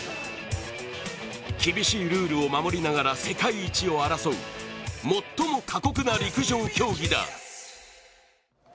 厳しいルールを守りながら世界一を争う、最も過酷な陸上競技だ。